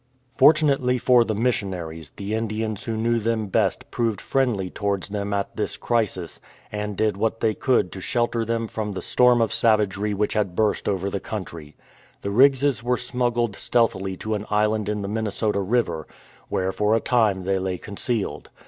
Fortunately for the missionaries, the Indians who knew them best proved friendly towards them at this crisis, and did what they could to shelter them from the storm of 222 A DREADFUL FLIGHT savagery which had burst over the country. The Riggses were smuggled stealthily to an island in the Minnesota River, where for a time they lay concealed.